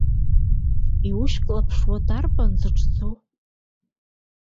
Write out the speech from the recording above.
Иушьклаԥшуа дарбан зыҽӡо?